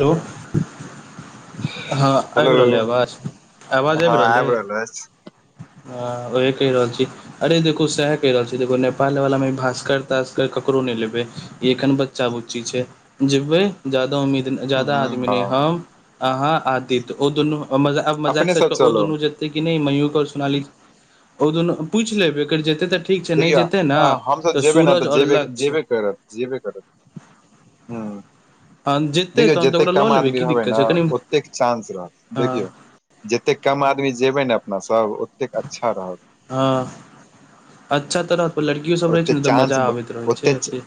Hello हँ hello आबि रहल यै आवाज आवाज आबि रहलै बस हँ ओहे कहि रहल छी अरे देखू स कहि रहल छै देखो नेपाल वाला मे भास्कर तासकर ककरो नहि लेबै ई एखन बच्चा बुच्ची छै जेबै जदा उम्मीद जाादा हम्म, आदमी नहि हँ हम अहाँ आदत्य ओ दुनू मजाक अपने साट सब कऽ ओ चलब दुनू जे नहि मयू सोनाली दुन पूछि लेब एकर जेतै तऽ ठीक छै नहि देखियौ जेतै ने हमस जेबै ने सूरज तऽ आओर जेबे लक्ष्य जेबे करत जेबे करत हूँ हँ जेतै देखियौ तहन तऽ जतेक ओकरा लऽ कम लेबै आदमी की रहबै दिक्कत ने छै कनि ओतेक चानंस रहत देखियौ हँ जतेक कम आदमी जेबै ने अपना सब ओतेक अच्छा रहत हँ अच्छा तरह पर लड़कियो सब रहैत छै ओते ने तऽ चांस मजा आबैत रहै छै ओते से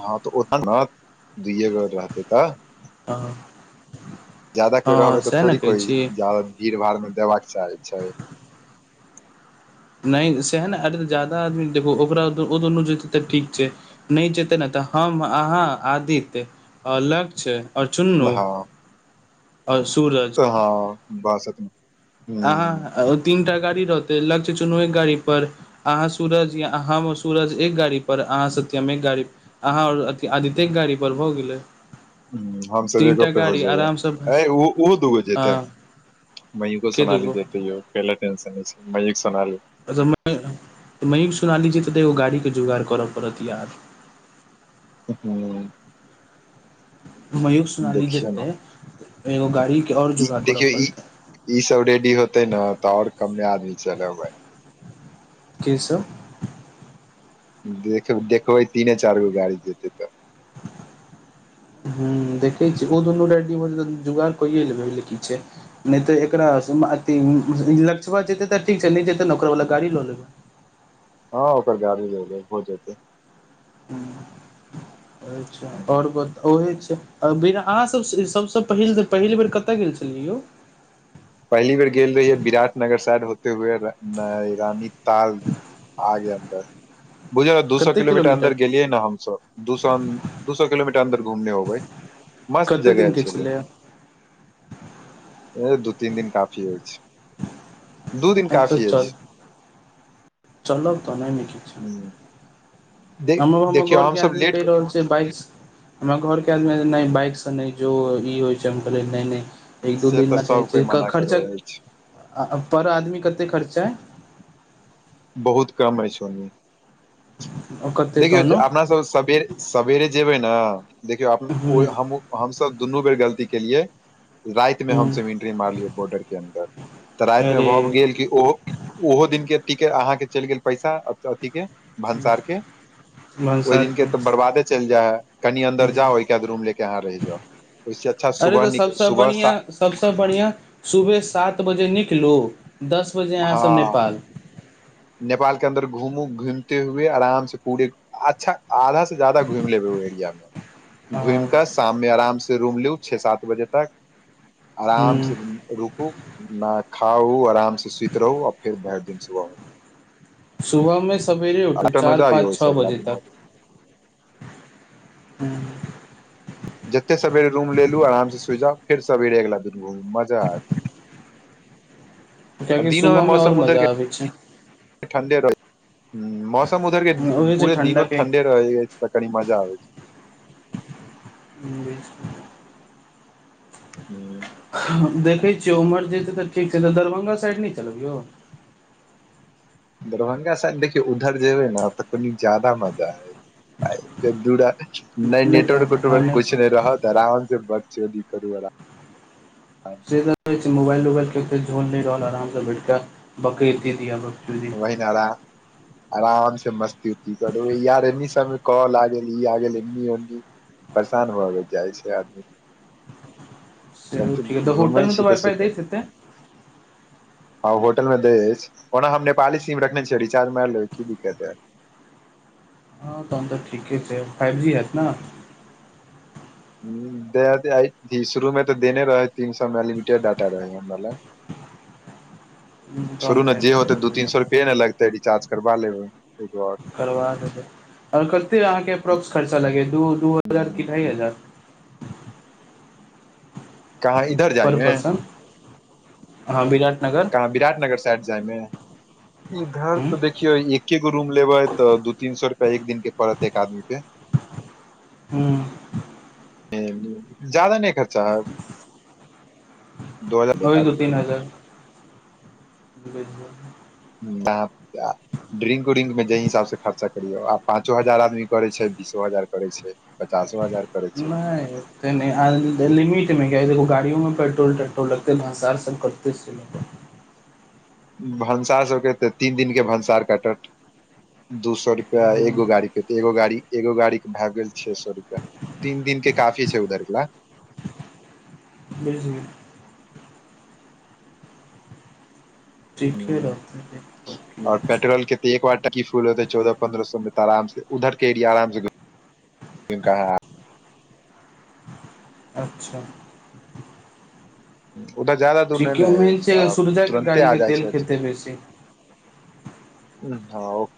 हँ तऽ ओतऽ ने दुइए बेर रहतै तऽ हँ जााददा कोई हँ रहबै तऽ सएह ने थोड़ी कहै कोई छी जादा भीड़ भाड़ मे देबा के चाहे छै नहि सएह ने अ तऽ जादा आदमी देख ओकरा दुनू जेत तऽ ठीक छै नहि जेते ने तऽ हम अहाँ आदित्य लक्ष्य आओर चुन्नू आओर सूरज तऽ हँ बासत अह ओ तीन टा गाड़ी रहौते लक्ष्य चुनए गाड़ी पर अहाँ सूरज य अहाँ सूरज एक गाड़ी पर अहाँ सत्यमे एक गाड़ी अहाँ आर आदिते एक गाड़ी ह पर भ गेलै ह हमस तीन टा एकगोप पे हो गाड़ी जेबै आरामसँ अ ओहो दूगो जेतै हँ म को के सनाी दूगो देती ह ओ क ले तस छै मै सोनाी म सुना ली छ तऽ तऽ एगो गाड़ीके जोगाड़ करऽ पड़त यार हूँ मयूख सुनाली देखियौ जेते ने एगो गाड़ी के और ई जोगा करऽ देखियौ ई पड़त ई सब रेडी होते ने तऽ आओर कमे आदमी चलेबै के सब देख देखबै तीने चारि गो गाड़ी जेतै तऽ [inaudible] ह देखै छी ओ दुनू राइडी जुगाड़ कैए लेबै की छै नहि तऽ एकरा अथ लक्षबा जेतै तऽ ठीक छै नहि जेतै ने ओकरा वाल गाड़ी लऽ लेबै हँ ओकर गाड़ी हो जेतै ह अछ आओर ब ओहे छै अहाँ सब सबसँ पहिल पहिल बेर कतय गेल छलियै यौ पही बेर गेल रहि है विराट नगर साायड होे हुए रानी ताल आगे अन्दर बुझल ने दू सए किलोमीटर अन्दर गेलियै ने हमसब दू सए अ दू सए किलोमीटर अन्दर घुमने होबै मस्त कते दिन जगह के छै छलै ए दू तीन दिन काफी हो छै दू दिन काफी अछि चल चलब तऽ ह हम हमर देखियौ घर के हमसभ आदमी लेट कहि रहल छै से बाइक हमरा घरके आदमी नहि बाइकसँ नहि जो ई होइ छैम करै नहि नहि एक दू से दिन तऽ नहि सभ कोइ चाहै छ मना खर्चा करै अछि पर आदमी कते खर्चा है बहुत कम अछि कते देखियौ तहनो आहा सब सबेर सेरे जेबै ने देखियौ ह हमस दुनू बेर गलती केलियै ह रातिमे हमसभ इंट्री मारलियै बॉर्डर के अन्दर तऽ रातिमे अरे भऽ गेल कि ओहो ओहो दिन के अहाँके चलि गेल पैसा अथी के भन्सार के ओहि दिन के तऽ बर्बादे चलि जाइ हय कनि अन्दर जाउ ओहिके बाद रूम लेके अहाँ रहि जाउ ओहिस अच्छा सुबह न सुबह सा सभसँ बढ़िआँ सुबह सात बजे निकलू दस बजे अहाँसभ हँ नेपाल नेपाल के अन्दर घूमू घूमते हुए आराम से पूरे अच्छा आधा से ज्यादा घुमि लेबै ओहि एरिया मे घुम ह कऽ शाम मे आराम से रूम लू छे सात बजे तक आराम से रुकू नहा खाउ आराम से सुति रहू आ फिर भरि दिन सुबह सुबहमे सवेरे उठू रिटर्न हो चार जाउ य पाँच ओहिस छओ अगला बजे दिन तक हो जाउ जते सबेर रूम लेलु आराम से सुइत जाउ फेर सबेरे अगिला दिन घुमू मजा आयत आ कियाकि सुबहमें आओर मजा आबै छै ठण्डे रहै मौसम उधरके होइ छै पूरे ठण्डा दिनो के ठण्डे तऽ कनी मजा आबै छै [unintelligible] हूँ देखै छियै उमर जेतै तऽ ठीक छै तऽ दरभंगा साइड नहि चलबियौ दरभंगा साइड देखियौ उधर जेबे ने तऽ कनि जादा माजा हयत दूरा नहि नेटवर्क उटवर्क कुछ नहि रहत तऽ आराम से बक चोदी करू आराम से त छै मोबाइल उबाइलके झोल नहि रहल आरामसँ बैठ कऽ बक द दियाप वहिनारा [unintelligible] आराम से मस्ती हो कर यार एन्नी समय कॉल आ गेल ई आ गेल एनी न्नी परेशान भऽ जाइ छै आदमी से कम ठीके तऽ होटल घूमै मे छी तऽ वइफाइ दै सुकून हेतै होटल मे दय अछि ओना हम नेपाली सीम रखने छ छीै रिचार्ज मार लेब की दिक्कत हय हँ तहन तऽ ठीके छै फाइव जी हयत न शुरू मे तऽ देने रहे है तीन सए मे अनलिमिटेड डाटा रहे छोरु तहन न तऽ जे होत हेतै दू तीन स लगतै रिचार्ज करा लेब करबा लेबै आओर कते अहाँके अप्रॉक्स खर्चा लगे दु दू हजार कि ढ़ाइ हजार गाड़ी पर पर्सन हँ विराट नगर विराटनगर साइड जायमे इधर हूँ तऽ देखियौ एके गो रूम लेबै तऽ दू तीन सए रुपआ एक दिन के पड़त एक आदमी के हू जादा नहि खर्चा हेत एक ओहि दू आदमी तीन हजार बचि जायत ड्रिंक उरिंक में जाहि हिसाब से खर्चा करियो आ पाँचो हजार आदमी करे छै बीसो हजार करे छै पचासो हजार करै छै नहि तऽ लिमिटमे कि देखो गाड़ियो मे पेट्रोल तेट्रोल लगते भंसार सब कटतै से भनसार सब के तऽ तीन दिन के भंसार काटत दू सए रुपया एगो गाड़ी एगो गाड़ी एगो गाड़ी के भए गेल छे सए रुपया तीन दिन के काफी छै उधर के ल नहि जेबै ठिके रहतै कत एकवार टंकी फूल होतै चौदह पन्द्रह सए मे त आराम से उधर के एरिया आराम स ह अच्छा उधर बेसी दूर ठीके नहि मेन अछि ने, छै सुरजा के तुरन्ते गाड़ी के आबि तेल जाइत छै खेतै बेसी ह हँ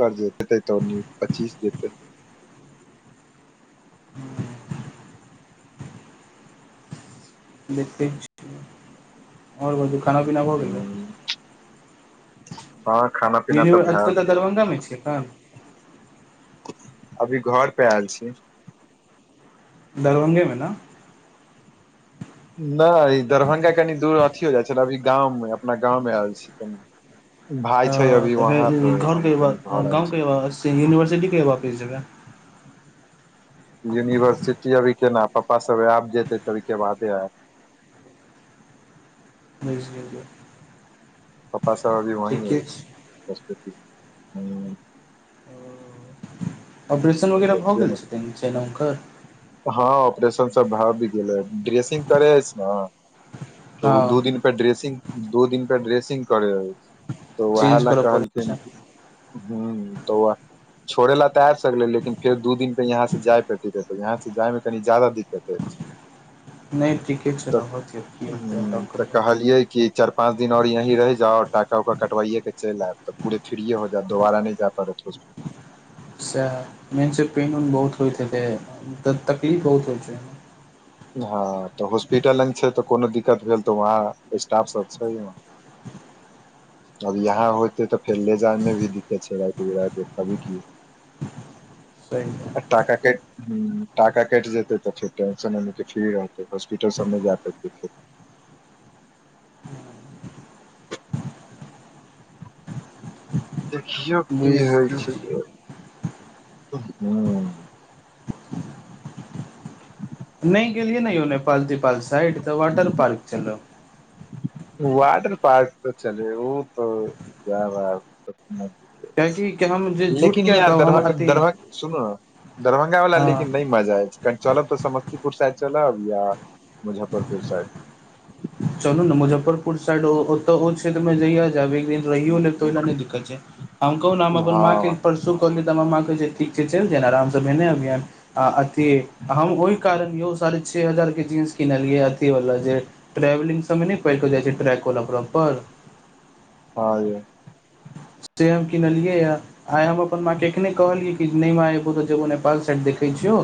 करि देतै तऽ पच्चीस जेतै [inaudible] देखैत छी, आओर आब खाना-पीना भऽ गेलै हँ खाना पीना तऽ भए यूनिवर्सिटी कतय अछि गेल दरभंगामे अछि कि एखन अभी घर प आयल छी दरभंगेमे ने नहि, ई दरभंगासँ कनि दूर अछि एखन तऽ हम अपन गाँवमे आयल छी कनि भाय छै हँ, अभी वहाँ तो तऽ हम कनि घरवला घर आयल छी गाँवसँ यूनिवर्सिटी जाएबला जगह अछि यूनिवर्सिटी एखन केना जाएब पप्पा सभ आबि जेतै, तखने बादे जाएब म्यूजिक पप्पा सभ सेहो ओतहि छथि ऑपरेशन वगैरह भऽ देखियौ गेल ने छै तऽ हँ, ऑपरेशन सभ भऽ गेल अछि ड्रेसिंग करबाक लेल ने, तऽ ओ दू हँ दिन बाद ड्रेसिंग दू दिन पर कराबय पड़ैत अछि, ताहि लेल ओ वएह चेंज बात करऽ पड़ै छै कहलखिन ह त छोड़ऽ लेल तऽ आब सकैत छी, मुदा फेर दिन पर एतयसँ जाए पड़त एतयसँ जाएमे कनि जादा दिक्कत नहि ठीके छै तऽ रहत की हेतै अलग तऽ करबै कहलियै कि चारि पाँच दिन आओर एतहि रहू, जखन ओका कटाय लेल चलि आयब तऽ पूरा भऽ जायत, फेर दोबारा नहि जाए पड़त हॉस्पिटल सही में से पेन ओहिना बहुत होइत छै, तकलीफ बहुत होइ छै हँ तऽ हॉस्पिटल लग छै तऽ कोनो दिक्कत भेल तऽ ओतऽ स्टाफ सभ छै अब यहाँ होइतै तऽ फेर लऽ जाएमे भी दिक्कत छै, राति-बिराति एखन की सहि बात टाका कट हँ, टाका कटि जेतै तऽ फेर टेंशन फ्री रहतै हॉस्पिटल सभ नहि जाए पड़तै फेर हँ देखियौ, की होइ बुझि छै नहि गेलिये ने यो नेपाल-तेपाल साइड तऽ वाटर पार्क चलब वाटर पार्क तऽ चलबे ओ जा कियाकि कि हम जे झूठ लेकिन किया य कहब हम अथी दरभंगा सुनू, दरभंगा वा लेकिन हँ नहि मजा आयतऽ चलब तऽ समस्तीपुर साइड चलब या मुजफ्फरपुर साइड चलू ने मुजफ्फरपुर साइड, ओतऽ ओ छै जहिया जाब रहियो दिक्कत छै हम कहू ने हम अपन माँ के हँ परसू कहलियै तऽ हमरा माँ कहै छ ठीक छै चलि जाय आरामसँ भेने अभिय आ अथि हम ओहि कारण यौ, साढ़े छओ हजारके जींस कीनलियै अथिवला जे ट्रेवलिंग सभमे नहि पड़ कऽ जाइ छै, ट्रैक वला प्रॉपर हँ ज सेब कि नहि लेलियै या आइ हम अपन माँ के एखने कहलियै कि नहि माँ, एबौ तऽ जेबौ नेपाल साइड देखैत छियौ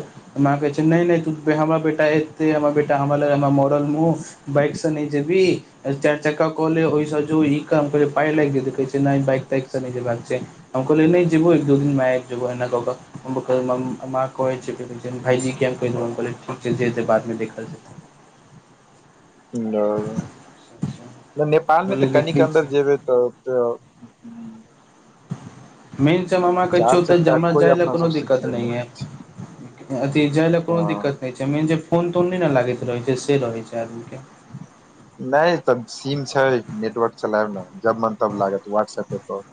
माँ कहै छै, नहि नहि, तू हमरा बेटा एतै, हमर बे हमरा ल, हमरा मरल मुँह बाइक सँ नहि जेबी, चारि चक्का कऽ लऽ ओहिसँ जे ई काम करे पाय लागि जेत, कहै छै नहि, बाइक तक तऽ ठीक छै। हम कहल नहि जेबो, एक-दू दिन माय जबना का माँ कहै छै, भायजी हम कहीं ठीक छै, जे बादमे देखब जेतै नेपाल मे तऽ कहलियै कनिक देखै अन्दर छियै जेबै त मेन च मामा कहै चार छियौतऽ चक्का हमरा कोइ जाय लेल अपना कोनो सब दिक्कत सिखले नहि ये थी जा लऽ कोनो हँ दिक्कत छै मेन जे फोन तऽ नहि ने लागत रहैत छै, से रहैत छै आदमीके नहि तब सीम छै नेटवर्क चलायब ने जब मन तब लागत व्हाट्सएप पर कौल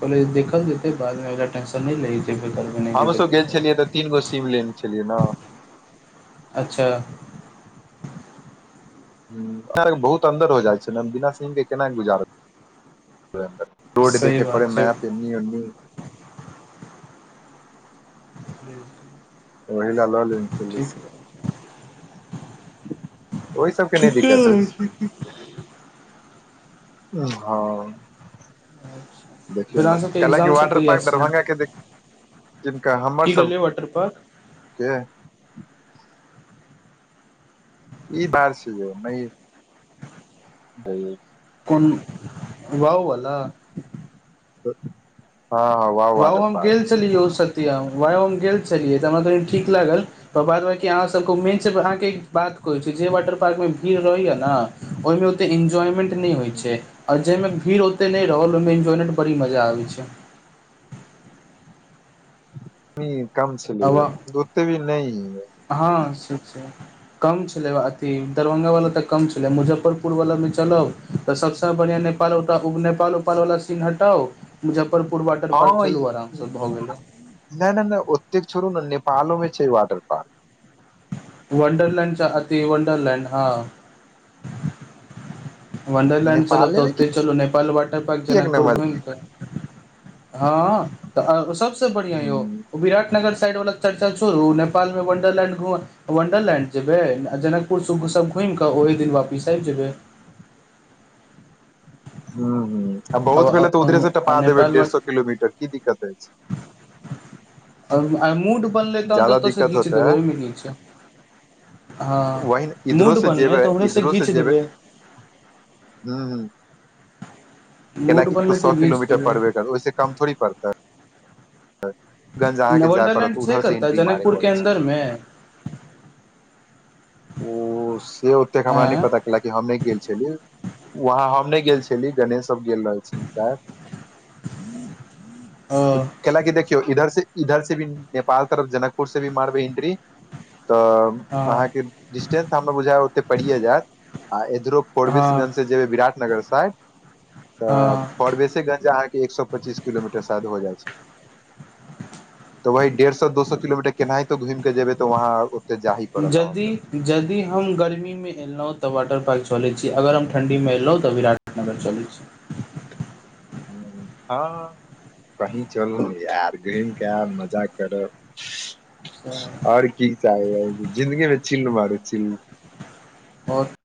कले देखल जेते बाद मे एकर टेंशन नहि लही [unintelligible] हमसभ गेल छलियै तऽ तीन गो सीम लेने छलियै न अच्छा बहुत अन्दर हो जाइ छै ने बिना सिमके केना गुजारब रोड सही देखे पड़ेै बात छै मैप एनी उन्नी ह्म [inaudible] ओहिला लऽ ले ने छली सिम ओहि सभके नहि ठीके दिक्कत रहै अछि छै हँ फेर अहाँ सबके क‌एलक एग्जाम सब वाटर कहिया पार्क से दरभंगा के हम की कहलियै वॉटर पार्क के ई बार छै जे नहि त [unintelligible] कोन वाववला हँ हँ वाह वउ व‌उ वाटर हम गेल पार्क छलियै ओ सत्यम वउ हम गेल छलियै तऽ हमरा कनि ठीक लागल त बाद बाकी अहाँ सभके मेन अहाँके बात कहै छी जय वाटर पार्कमे भीड़ रहैया न ओहिमे ओते एन्जॉयमेन्ट होइ छै आओर जाहि मे भीड़ ओते नहि रहल ओहिमे एन्जॉयमेन्ट बड़ी मजा आबे छै कम आब छलैय ओते भी नहि हँ छै कम छलै अथी दरभंगा वाला तऽ कम छलै मुजफ्फरपुर पुरवलामे चलब तऽ सभसँ बढ़िआँ नेपाल नेपाल उपालवाला सीन हटाउ मुजफ्फरपुर वाटर पार्क हँ चलू आरामसँ भऽ गेला नहि नहि नहि ओतेक छोड़ू ने नेपालों मे छै वाटर पार्क वंडरलैंड च अति वंडरलैंड हँ वंडरलैंड चलब तऽ नेपाले मे ओते चलू नेपाल वाटर पार्क की एक जनकपुर नम्बर घुमि कऽ हँ तऽ सभसँ बढ़िआँ यौ हूं विराट नगर साइड वाला चर्चा छोड़ू नेपाल मे वंडरलैंड घुम वंडरलैंड जेयबै जनकपुरसभ घुमि कऽ ओहि दिन वापिस आबि जेबै ह ह आ बहुत भेले तऽ उधरे से आ टपा देबै नेपाल डेढ़ सए किलोमीटर की दिक्कत अछि आ मूड बनलै तहन तऽ ज्यादा ओतयसँ दिक्कत घीच होतै देबै ओहिमे कि छै वही न, हँ इधरो मूड बनलै तऽ ओहसँ घींच देबै हू ह मूड कैलाकि तो बनलै सए तऽ घीच किलोमीटर देबै पड़बे कर ओहिस कम थोड़ी पड़तै गंज अहाँके जाय पड़त वंडरलैंड छै उधर से कतय एंट्री मारे जनकपुरके पड़ै छै अन्दरमे ओ से ओतेक हमरा नहि आँ पता कैलाकि हम नहि गेल छलियै वहाँ हम नहि गेल छलियै गणेश सब गेल रहल छलखिन सायद हू ह त कैलाकि देखियौ इधर से इधर से भी नेपाल तरफ जनकपुर से भी मारबै इंट्री तऽ हँ अहाँके डिस्टेंस हमरा बुझाय ओते पड़ियए जायत आर इधरो हँ फोरबिसगंज से जेबै विराट नगर साइड तऽ हँ फॉरविसगंज अहाँके एक सए पच्चीस किलोमीटर शायद हो जाइ छै तऽ वह डेढ़ सए दो स‌ए किलोमीटर केनाहितो घूम के जेबै तऽ वहाँ ओते जाही पड़त जदि अहाँके यदि हम गर्मीमे एलहुँ तऽ वाटर पार्क चलै छी अगर हम ठण्डीमे एलहुँ तऽ विराटनगर चलै छी हँ कही चल ने यार घूमि कए आब मजा करब अच्छा आओर की चाही जिन्दगी मे चिल मारु चील आओर